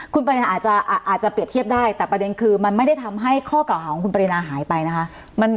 คุณปรินาอาจจะเปรียบเทียบได้แต่ประเด็นคือมันไม่ได้ทำให้ข้อเก่าหาของคุณปรินาหายไปนะคะ